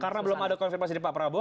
karena belum ada konfirmasi di pak prabowo